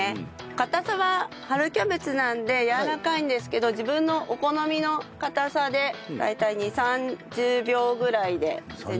硬さは春キャベツなんでやわらかいんですけど自分のお好みの硬さで大体２０３０秒ぐらいで全然いいと思うんですけど。